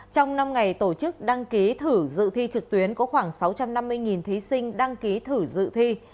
trong năm ngày tổ chức đăng ký thử dự thi trực tuyến có khoảng sáu trăm năm mươi thí sinh đăng ký thử dự thi